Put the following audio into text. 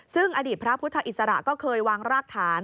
ซึ่งอดีตพระพุทธอิสระก็เคยวางรากฐาน